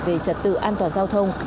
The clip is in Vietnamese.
về trật tự an toàn giao thông